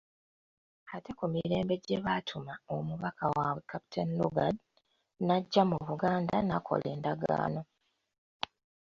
Ate ku mirembe gye baatuma omubaka waabwe Captain Lugard, n'ajja mu Buganda n'akola Endagaano.